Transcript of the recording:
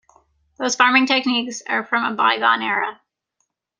Those farming techniques are from a bygone era.